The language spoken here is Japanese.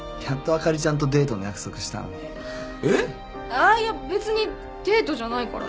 あっいや別にデートじゃないから。